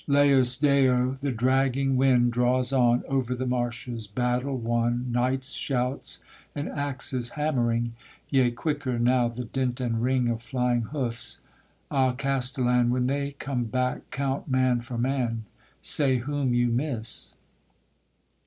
Laus Deo! the dragging wind draws on Over the marshes, battle won, Knights' shouts, and axes hammering; Yea, quicker now the dint and ring Of flying hoofs; ah, castellan, When they come back count man for man, Say whom you miss.